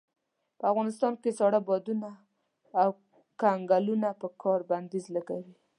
په افغانستان کې ساړه بادونه او کنګلونه پر کار بنديز لګوي.